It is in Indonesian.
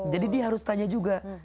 jadi dia harus tanya juga